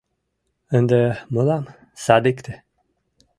— Ынде мылам садикте.